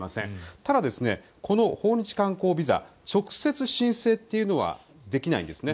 ただ、この訪日観光ビザ直接、申請というのはできないんですね。